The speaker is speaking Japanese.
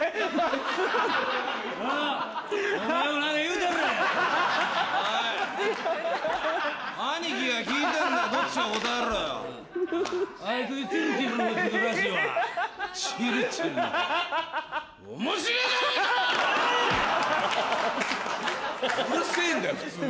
うるせぇんだよ普通に。